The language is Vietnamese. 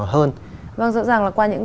hơn vâng rõ ràng là qua những